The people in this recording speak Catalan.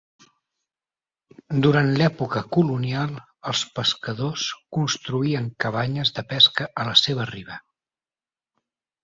Durant l'època colonial, els pescadors construïen cabanyes de pesca a la seva riba.